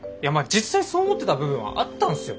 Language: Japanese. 実際そう思ってた部分はあったんすよ。